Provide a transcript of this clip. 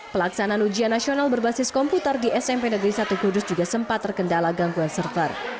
pelaksanaan ujian nasional berbasis komputer di smp negeri satu kudus juga sempat terkendala gangguan server